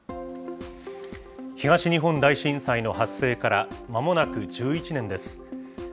東日本大震災の発生からまもなく１１年です。